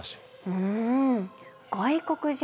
うん。